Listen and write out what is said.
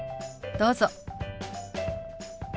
どうぞ。